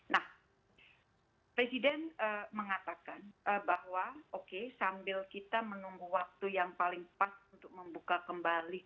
nah presiden mengatakan bahwa oke sambil kita menunggu waktu yang paling pas untuk membuka kembali